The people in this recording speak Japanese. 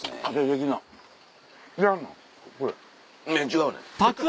違うねん。